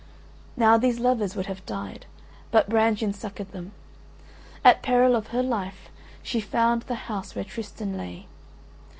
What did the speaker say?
Now these lovers would have died, but Brangien succoured them. At peril of her life she found the house where Tristan lay.